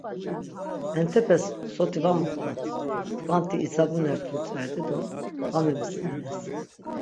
Entepes soti va moxtat, tkvanti idzabunert vutzveret̆i do va memisimines.